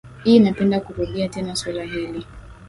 i napenda kurudia tena swala hili